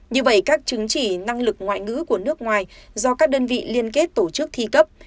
như vậy các chứng chỉ năng lực ngoại ngữ của nước ngoài do các đơn vị liên kết tổ chức thi cấp